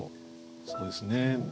そうですね。